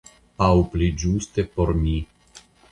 Aŭ pli ĝuste por mi.